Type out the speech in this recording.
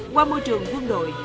qua môi trường quân đội